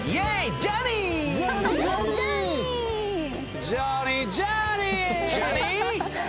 ジャーニー。